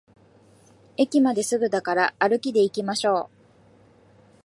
駅まですぐだから歩きでいきましょう